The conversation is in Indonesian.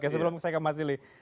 sebelum saya ke mas silih